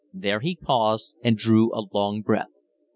There he paused and drew a long breath.